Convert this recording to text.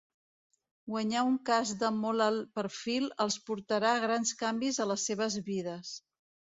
Guanyar un cas de molt alt perfil els portarà grans canvis a les seves vides.